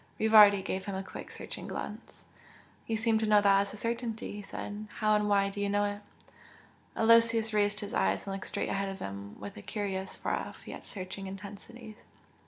Rivardi gave him a quick searching glance. "You seem to know that as a certainty" he said, "How and why do you know it?" Aloysius raised his eyes and looked straight ahead of him with a curious, far off, yet searching intensity.